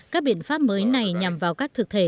các biện pháp mới này nhằm vào các thực thể